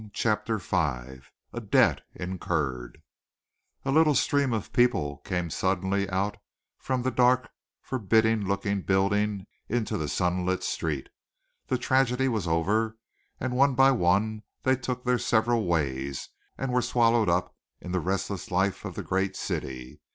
CHAPTER V A DEBT INCURRED A little stream of people came suddenly out from the dark, forbidding looking building into the sun lit street. The tragedy was over, and one by one they took their several ways, and were swallowed up in the restless life of the great city.